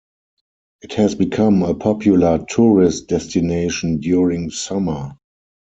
It has become a popular tourist destination during summer.